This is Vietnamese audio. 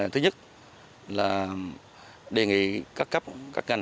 thứ nhất là đề nghị các cấp các ngành